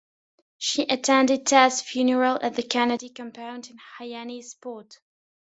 She attended Ted's funeral at the Kennedy compound in Hyannis Port.